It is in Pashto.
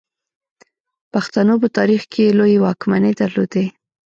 پښتنو په تاریخ کې لویې واکمنۍ درلودې